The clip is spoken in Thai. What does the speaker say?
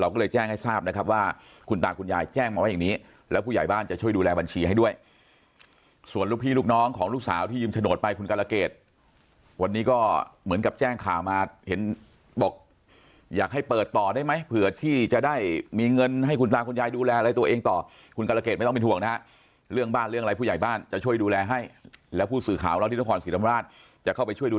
เราก็เลยแจ้งให้ทราบนะครับว่าคุณตาฝากคุณยายแจ้งมาว่าอย่างนี้แล้วผู้ใหญ่บ้านจะช่วยดูแลบัญชีให้ด้วยส่วนลูกพี่ลูกน้องของลูกสาวที่ยืมโฉนดไปคุณกรเกษวันนี้ก็เหมือนกับแจ้งข่าวมาเห็นบอกอยากให้เปิดต่อได้ไหมเผื่อที่จะได้มีเงินให้คุณตาฝากคุณยายดูแลตัวเองต่อคุณกรเกษไม่ต้องเป็นห่วงนะ